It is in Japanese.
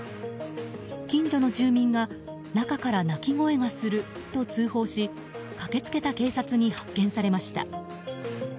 近所の住民が中から鳴き声がすると通報し駆けつけた警察に発見されました。